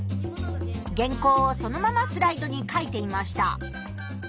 原稿をそのままスライドに書いていました。